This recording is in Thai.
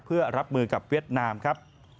เพื่อรับมือกับเวียดนามครับ